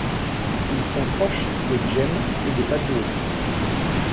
Ils sont proches des Djem et des Badjoué.